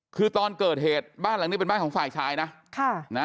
คือตอนเกิดเหตุบ้านหลังนี้เป็นบ้านของฝ่ายชายนะค่ะนะ